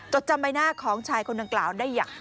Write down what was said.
จดจำใบหน้าของชายคนดังกล่าว